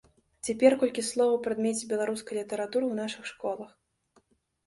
Цяпер колькі слоў аб прадмеце беларускай літаратуры ў нашых школах.